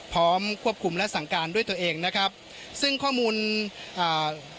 พร้อมควบคุมและสั่งการด้วยตัวเองนะครับซึ่งข้อมูลอ่า